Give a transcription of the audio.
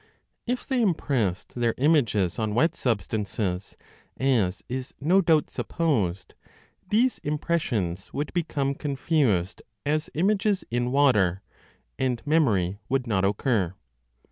If they impressed their images on wet substances, as is no doubt supposed, these impressions would become confused as images in water, and memory would not occur.